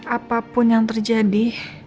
apapun yang terjadi